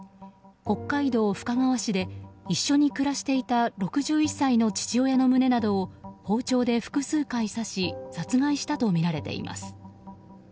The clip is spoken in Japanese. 北海道深川市で一緒に暮らしていた６１歳の父親の胸などを包丁で複数回刺し殺害したとみられています。